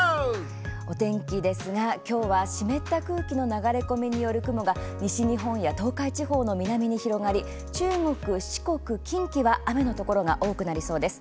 お天気ですが今日は湿った空気の流れ込みによる雲が西日本や東海地方の南に広がり中国、四国、近畿は雨のところが多くなりそうです。